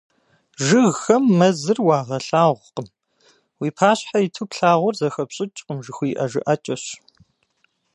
"Жыгхэм мэзыр уагъэлъагъукъым" — уи пащхьэ иту плъагъур зэхэпщӀыкӀкъым жыхуиӀэ жыӀэкӀэщ.